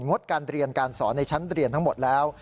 ดการเรียนการสอนในชั้นเรียนทั้งหมดแล้ว